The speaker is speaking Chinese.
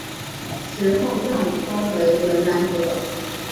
池后正中为文澜阁。